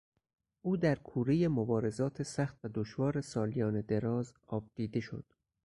او در کورهٔ مبارزات سخت و دشوار سالیان دراز آبدیده شد